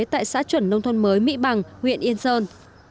tại xã chuẩn nông thôn mới mỹ bằng huyện yên sơn